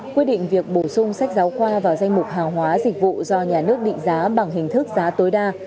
quyết định việc bổ sung sách giáo khoa vào danh mục hàng hóa dịch vụ do nhà nước định giá bằng hình thức giá tối đa